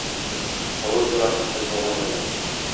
Курулуш туурасында сөз болгон да жок.